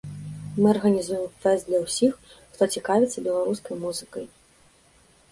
Мы арганізуем фэст для ўсіх, хто цікавіцца беларускай музыкай.